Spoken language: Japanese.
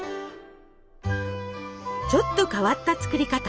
ちょっと変わった作り方。